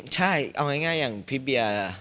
ใช่เอาง่ายอย่างพี่เบียร์